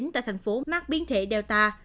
tại thành phố mắc biến thể delta